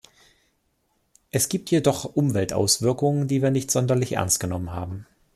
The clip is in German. Es gibt jedoch Umweltauswirkungen, die wir nicht sonderlich ernst genommen haben.